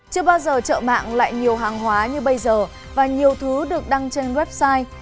chưa bao giờ chợ mạng lại nhiều hàng hóa như bây giờ và nhiều thứ được đăng trên website